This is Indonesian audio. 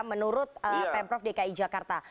menurut pemprov dki jakarta